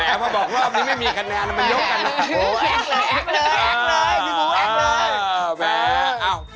แหละพอบอกรอบนี้ไม่มีคะแนนอะมันยกต่อน่ะนะต้องพูดมาโอ้แอ๊กเลยแอ๊กเลย